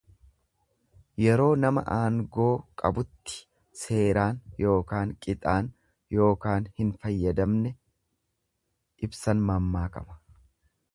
Yeroo nama aangoo qabutti seeraan yookaan qixaan yookaan hin fayyadamne ibsan mammaakama.